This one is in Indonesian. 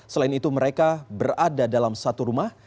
selain itu mereka berada dalam satu rumah